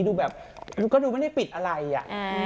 ดูแบบก็ดูไม่ได้ปิดอะไรอ่ะ